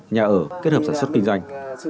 nhà ở kết hợp sản xuất kinh doanh